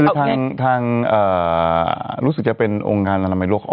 หรือทางรู้สึกจะเป็นโรงการรามัยโลก